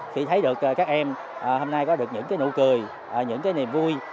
khi thấy các em hôm nay có được những nụ cười những niềm vui